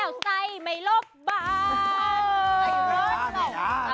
แล้วใส่ไมโลฟบาร์